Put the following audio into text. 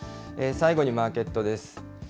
最後にマーケットです。